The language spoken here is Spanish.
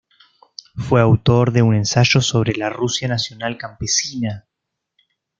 Fue autor de un ensayo sobre la "Rusia nacional campesina".